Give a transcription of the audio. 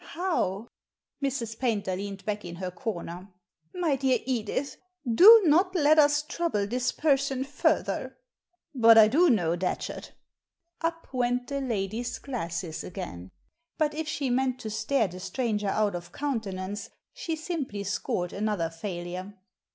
"How?" Mrs. Paynter leaned back in her corner. " My dear Edith, do not let us trouble this person further." " But I do know Datchet" Up went the lady's glasses again. But if she meant to stare the stranger out of countenance, she simply scored another failure.